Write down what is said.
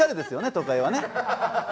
都会はね。